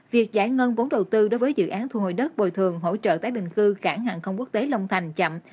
việc giải ngân vốn đầu tư đối với dự án thu hồi đất bồi thường hỗ trợ tái định cư cảng hàng không quốc tế long thành chậm